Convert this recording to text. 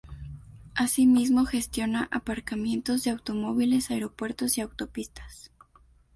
Asimismo, gestiona aparcamientos de automóviles, aeropuertos y autopistas.